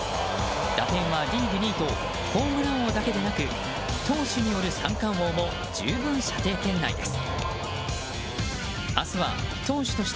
打点はリーグ２位とホームラン王だけでなく投手による三冠王も十分、射程圏内です。